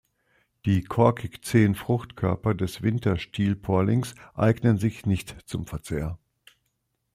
Die korkig-zähen Fruchtkörper des Winter-Stielporlings eignen sich nicht zum Verzehr.